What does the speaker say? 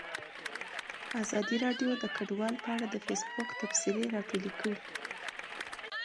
ازادي راډیو د کډوال په اړه د فیسبوک تبصرې راټولې کړي.